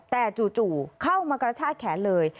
แต่จู่เข้ามากระชากแขนเลย